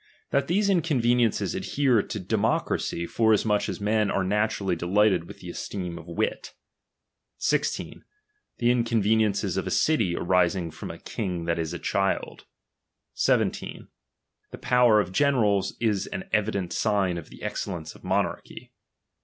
That these inconveniences adhere to demo cracy, forasmuch as men are naturally delighted with the esteem of wit. 16 The inconveniences of a city arising from a king that is a child. 17. The power of generals is an evident sign of the excellence of monarchy.